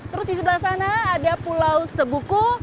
terus di sebelah sana ada pulau sebuku